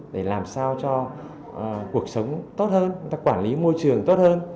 để làm sao cho cuộc sống tốt hơn chúng ta quản lý môi trường tốt hơn